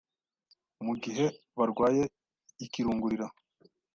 mu gihe barwaye ikirungurira,